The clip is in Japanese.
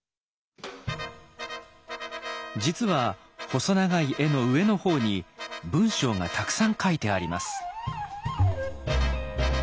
実は細長い絵の上の方に文章がたくさん書いてあります。